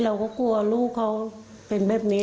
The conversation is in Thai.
เราก็กลัวลูกเขาเป็นแบบนี้